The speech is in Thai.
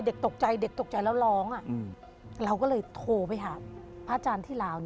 เด็กตกใจเด็กตกใจแล้วร้องเราก็เลยโทรไปหาพระอาจารย์ที่ลาว